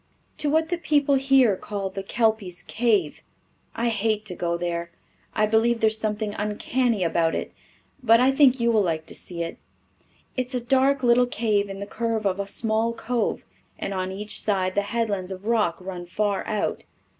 "To what the people here call the Kelpy's Cave. I hate to go there. I believe there is something uncanny about it, but I think you will like to see it. It is a dark little cave in the curve of a small cove, and on each side the headlands of rock run far out.